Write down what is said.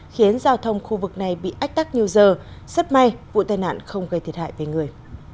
khiến giao thông khu vực này bị ách tắc nhiều giờ rất may vụ tai nạn không gây thiệt hại về người